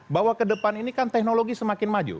bahwa kedepan ini kan teknologi semakin maju